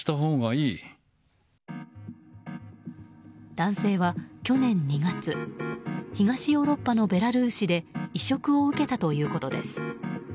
男性は去年２月東ヨーロッパのベラルーシで移植を受けたということです。